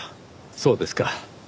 そうですか。